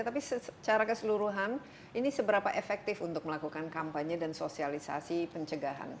tapi secara keseluruhan ini seberapa efektif untuk melakukan kampanye dan sosialisasi pencegahan